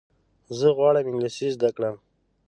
زه غواړم انګلیسي زده کړم.